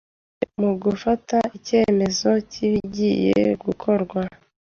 mu gufata icyemezo cy’ibigiye gukorwa,